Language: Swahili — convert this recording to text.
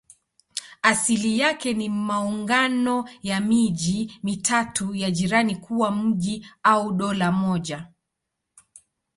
Asili yake ni maungano ya miji mitatu ya jirani kuwa mji au dola moja.